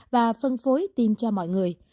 và phân phối tiêm cho mọi người